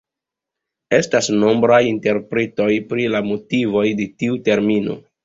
Estas nombraj interpretoj pri la motivoj de tiu termino.